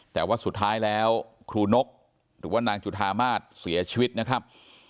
แต่ว่าสุดท้ายแล้วครูนกหรือว่านางจุธามาศเสียชีวิตนะครับ